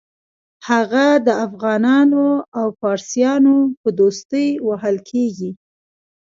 هغه د افغانانو او فارسیانو په دوستۍ وهل کېږي.